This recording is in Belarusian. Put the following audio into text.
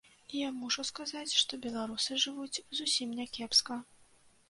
Я мушу сказаць, што беларусы жывуць зусім не кепска.